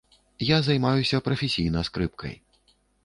Я займаюся прафесійна скрыпкай.